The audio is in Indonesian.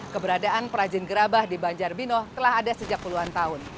keberadaan perajin gerabah di banjarbino telah ada sejak puluhan tahun